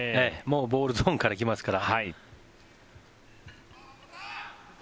ボールゾーンから来ますから。